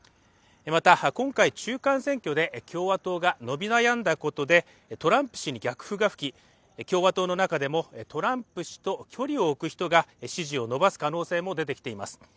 また、今回、中間選挙で共和党が伸び悩んだことでトランプ氏に逆風が吹き、共和党の中でもトランプ氏と距離を置く人が支持を伸ばす可能性も出てきています。